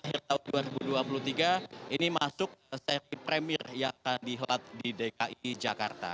akhir tahun dua ribu dua puluh tiga ini masuk seri premier yang akan dihelat di dki jakarta